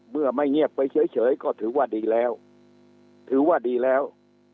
เมื่อไม่เงียบไปเฉยก็ถือว่าดีแล้วถือว่าดีแล้ว